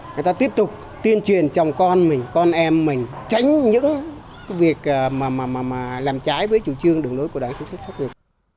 người ta tiếp tục tuyên truyền chồng con mình con em mình tránh những việc làm trái với chủ trương đường đối của đảng xã quảng trực